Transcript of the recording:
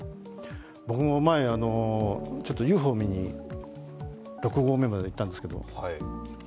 僕も前、ＵＦＯを見に６合目まで行ったんですけど。